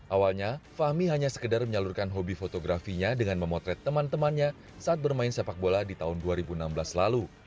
awalnya fahmi hanya sekedar menyalurkan hobi fotografinya dengan memotret teman temannya saat bermain sepak bola di tahun dua ribu enam belas lalu